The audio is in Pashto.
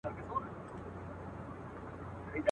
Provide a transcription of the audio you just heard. ویل ځوانه په امان سې له دښمنه.